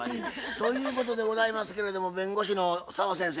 ということでございますけれども弁護士の澤先生